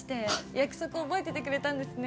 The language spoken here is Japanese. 約束覚えててくれたんですね。